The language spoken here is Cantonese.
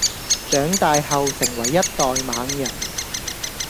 長大後成為一代猛人